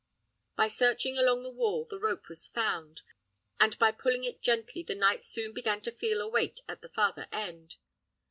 By searching along the wall the rope was found, and by pulling it gently the knight soon began to feel a weight at the farther end.